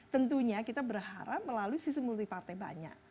tentunya kita berharap melalui sistem multi partai banyak